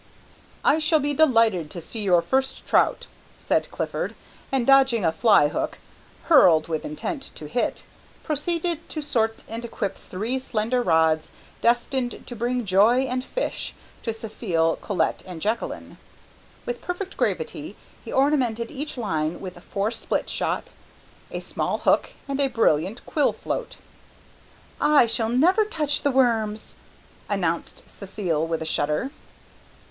"I shall be delighted to see your first trout," said Clifford, and dodging a fly hook, hurled with intent to hit, proceeded to sort and equip three slender rods destined to bring joy and fish to Cécil, Colette, and Jacqueline. With perfect gravity he ornamented each line with four split shot, a small hook, and a brilliant quill float. "I shall never touch the worms," announced Cécile with a shudder.